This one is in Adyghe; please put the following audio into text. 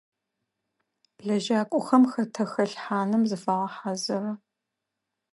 Лэжьакӏохэм хэтэ хэлъхьаным зыфагъэхьазыры.